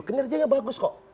kinerjanya bagus kok